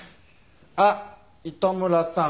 あっ糸村さん。